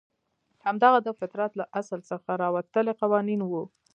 همدغه د فطرت له اصل څخه راوتلي قوانین وو.